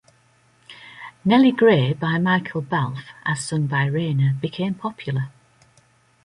"Nellie Grey" by Michael Balfe, as sung by Raynor, became popular.